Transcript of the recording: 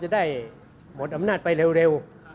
จะได้หมดอำนาจไปเร็ว